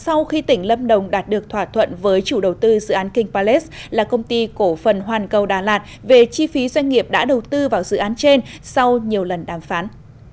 sau khi tỉnh lâm đồng đạt được thỏa thuận với chủ đầu tư dự án king palace là công ty cổ phần hoàn cầu đà lạt về chi phí doanh nghiệp đã đầu tư vào dự án trên sau nhiều lần đàm phán